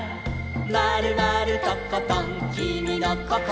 「まるまるとことんきみのこころは」